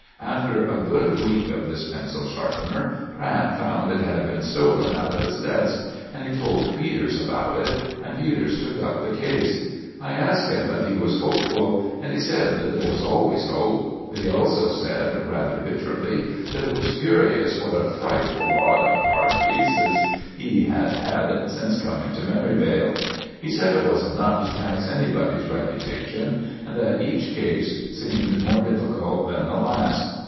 After a good week of this pencil sharpener, Pratt found it had been stolen out of his desk, and he told Peters about it, and Peters took up the case. I asked him if he was hopeful, and he said that there was always hope; but he also said, rather bitterly, that it was curious what a frightful lot of hard cases he had had since coming to Merivale. He said it was enough to tax anybody's reputation, and that each case seemed more difficult than the last.